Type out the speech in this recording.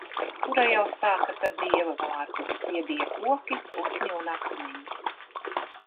Kura jau sākas ar Dieva vārdu, tie bija koki, putni un akmeņi...